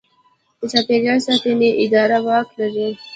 د چاپیریال ساتنې اداره واک لري؟